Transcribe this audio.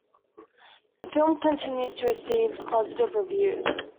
The film continues to receive positive reviews.